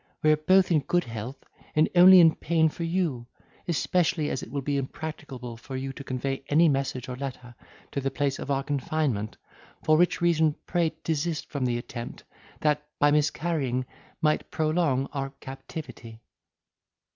We are both in good health, and only in pain for you, especially as it will be impracticable for you to convey any message or letter to the place of our confinement; for which reason pray desist from the attempt, that, by miscarrying, might prolong our captivity.